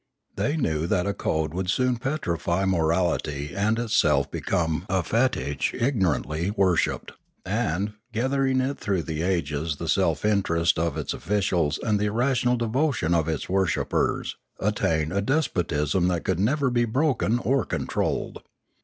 They knew that a code would soon petrify morality and itself be come a fetich ignorantly worshipped, and, gathering to it through the ages the self interest of its officials and the irrational devotion of its worshippers, attain a de spotism that could never be broken or controlled.